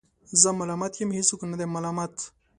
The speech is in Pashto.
زه ملامت یم ، هیڅوک نه دی ملامت